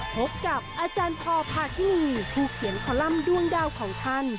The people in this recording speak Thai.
พบกับอาจารย์พอพาธินีผู้เขียนคอลัมป์ด้วงดาวของท่าน